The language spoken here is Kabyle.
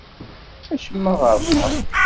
Acemma ɣerqeɣ.